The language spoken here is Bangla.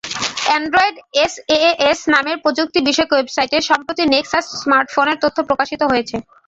অ্যানড্রয়েড এসএএস নামের প্রযুক্তিবিষয়ক ওয়েবসাইটে সম্প্রতি নেক্সাস স্মার্টফোনের তথ্য প্রকাশিত হয়েছে।